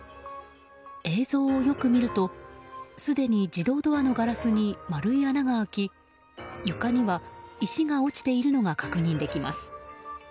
映像をよく見るとすでに自動ドアのガラスに丸い穴が開き床には石が落ちているのが確認できます。